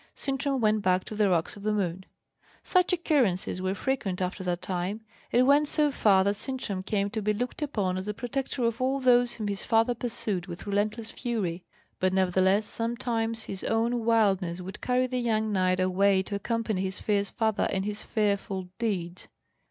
Sintram went back to the Rocks of the Moon. Such occurrences were frequent after that time. It went so far that Sintram came to be looked upon as the protector of all those whom his father pursued with relentless fury; but nevertheless sometimes his own wildness would carry the young knight away to accompany his fierce father in his fearful deeds.